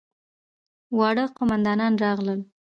واړه قوماندان راغلل.